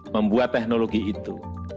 membuat teknologi itu